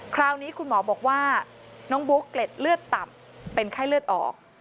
คราวนี้คุณหมอบอกว่าน้องบุ๊กเกล็ดเลือดต่ำเป็นไข้เลือดออก